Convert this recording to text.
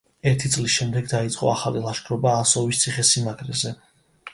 ერთი წლის შემდეგ დაიწყო ახალი ლაშქრობა აზოვის ციხესიმაგრეზე.